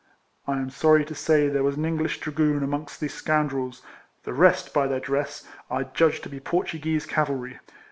I am sorry to say there was an English 88 RECOLLECTIONS OF dragoon amongst these scoundrels; the rest, by their dress, I judged to be Portu guese cavalry.